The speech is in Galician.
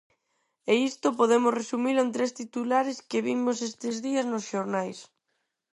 E isto podemos resumilo en tres titulares que vimos estes días nos xornais.